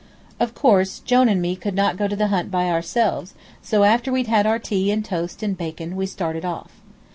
Of course, Jone and me could not go to the hunt by ourselves, so after we'd had our tea and toast and bacon we started off.